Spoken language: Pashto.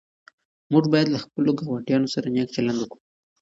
موږ باید له خپلو ګاونډیانو سره نېک چلند وکړو.